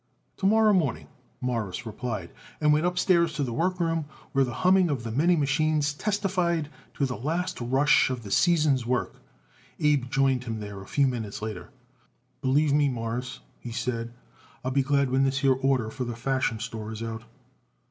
"To morrow morning," Morris replied, and went upstairs to the workroom, where the humming of many machines testified to the last rush of the season's work. Abe joined him there a few minutes later. "Believe me, Mawruss," he said, "I'll be glad when this here order for the Fashion Store is out."